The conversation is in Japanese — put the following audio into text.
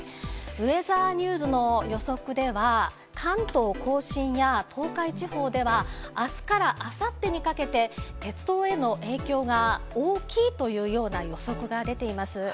ウェザーニュースの予測では、関東甲信や東海地方では、あすからあさってにかけて、鉄道への影響が大きいというような予測が出ています。